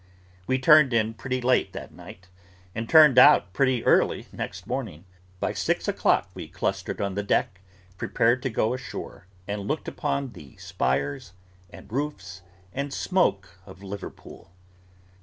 We turned in pretty late that night, and turned out pretty early next morning. By six o'clock we clustered on the deck, prepared to go ashore; and looked upon the spires, and roofs, and smoke, of Liverpool.